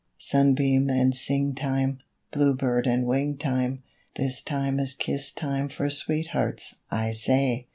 Sunbeam and sing time, Bluebird and wing time, This time is kiss time for sweethearts, I say!